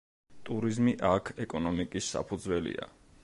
ტურიზმი აქ ეკონომიკის საფუძველია.